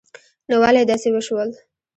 نو ولی داسی وشول